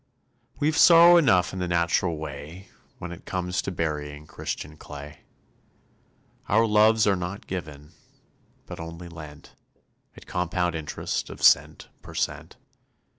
We've sorrow enough in the natural way, When it comes to burying Christian clay. Our loves are not given, but only lent, At compound interest of cent per cent.